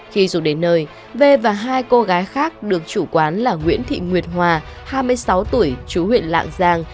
khi rủ đến nơi v và hai cô gái khác được chủ quán là nguyễn thị nguyệt hòa hai mươi sáu tuổi chú huyện lạng giang